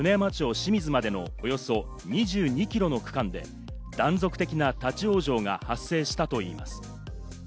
清水までのおよそ２２キロの区間で断続的な立ち往生が発生したといいます。